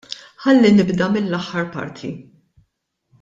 Ħalli nibda mill-aħħar parti.